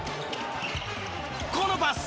このパス！